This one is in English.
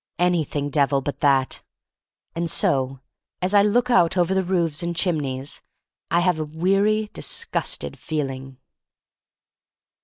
Anything, Devil, but that. And so, as I look out over the roofs and chimneys, I have a weary, dis gusted feeling.